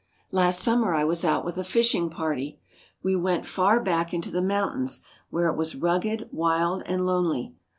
Last summer I was out with a fishing party. We went far back into the mountains, where it was rugged, wild and lonely.